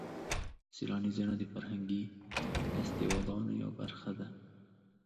سیلاني ځایونه د فرهنګي فستیوالونو یوه برخه ده.